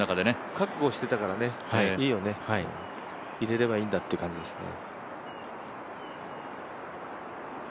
覚悟してたからね、いいよね入れればいいんだという感じだね。